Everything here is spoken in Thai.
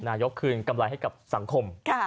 คืนกำไรให้กับสังคม